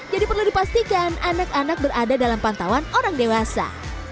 jadi perlu dipastikan anak anak berada dalam pantauan orang dewasa